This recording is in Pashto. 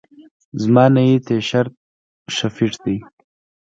زما نئی تیشرت ښه فټ ده.